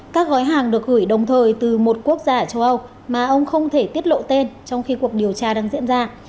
các gói hàng được gửi đồng thời từ một quốc gia ở châu âu mà ông không thể tiết lộ tên trong khi cuộc điều tra đang diễn ra